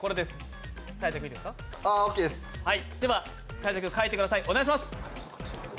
大晴君、描いてください。